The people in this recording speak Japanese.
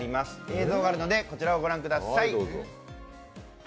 映像があるのでこちらをご覧ください。